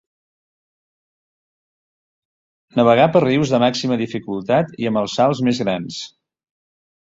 Navegà per rius de màxima dificultat i amb els salts més grans.